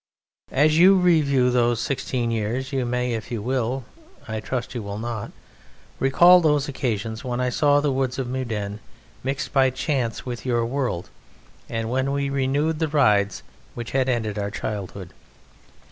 As you review those sixteen years you may, if you will I trust you will not recall those occasions when I saw the woods of Meudon and mixed by chance with your world, and when we renewed the rides which had ended our childhood.